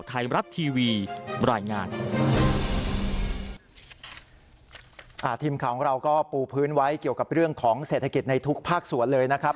ทีมข่าวของเราก็ปูพื้นไว้เกี่ยวกับเรื่องของเศรษฐกิจในทุกภาคส่วนเลยนะครับ